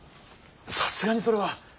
さすがにそれは。